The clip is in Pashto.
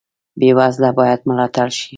بې وزله باید ملاتړ شي